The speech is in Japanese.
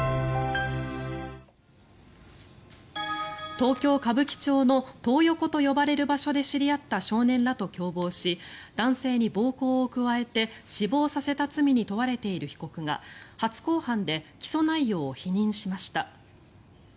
東京・歌舞伎町のトー横と呼ばれる場所で知り合った少年らと共謀し男性に暴行を加えて死亡させた罪に問われている男が初公判で起訴内容を否認しました。